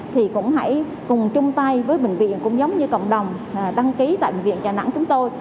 thì cũng hãy cùng chung tay với bệnh viện cũng giống như cộng đồng đăng ký tại bệnh viện đà nẵng chúng tôi